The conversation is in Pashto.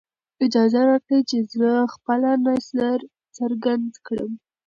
اجازه راکړئ چې زه خپله نظر څرګند کړم.